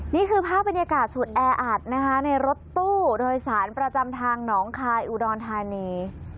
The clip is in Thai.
นี่คือภาพบรรยากาศสุดแออัดนะคะในรถตู้โดยสารประจำทางหนองคายอุดรธานี